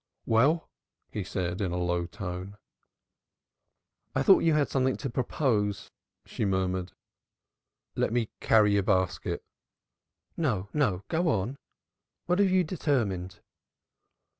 "Well?" he said, in a low tone. "I thought you had something to propose," she murmured. "Let me carry your basket." "No, no; go on. What have you determined?"